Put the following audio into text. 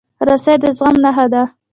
رسۍ د زغم نښه ده.